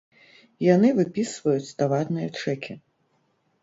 Яны выпісваюць таварныя чэкі!